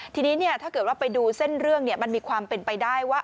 ทีนี้ถ้าเกิดว่าไปดูเส้นเรื่องมันมีความเป็นไปได้ว่า